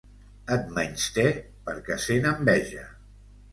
Et menysté perquè sent enveja.